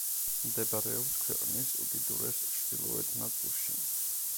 მდებარეობს ქვეყნის უკიდურეს ჩრდილოეთ ნაწილში.